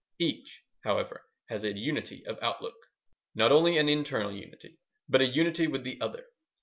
Each, however, has a unity of outlook, not only an internal unity, but a unity with the other.